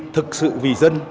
thực sự vì dân